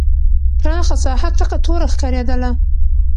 پراخه ساحه تکه توره ښکارېدله.